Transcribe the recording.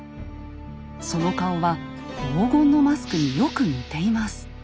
その顔は黄金のマスクによく似ています。